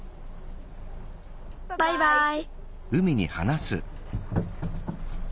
バイバイ。